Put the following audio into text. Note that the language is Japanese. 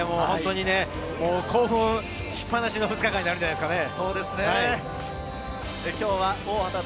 興奮しっ放しの２日間になるんじゃないですか。